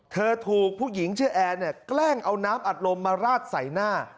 ถูกผู้หญิงชื่อแอร์เนี่ยแกล้งเอาน้ำอัดลมมาราดใส่หน้า